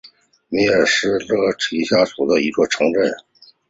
米尔斯伯勒下属的一座城镇。